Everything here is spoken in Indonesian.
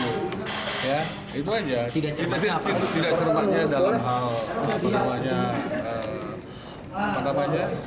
itu aja kita tidak cermatnya dalam hal penawanya tentang barang buktinya